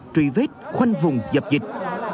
truy vết khoanh vùng dập dịch